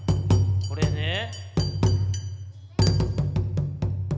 これねぇ。